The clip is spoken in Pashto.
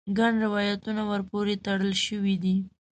ګڼ روایتونه ور پورې تړل شوي دي.